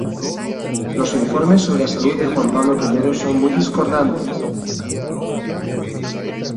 Los informes sobre la salud de Juan Pablo I son muy discordantes.